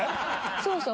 そうそう。